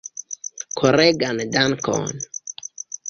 Koregan dankon!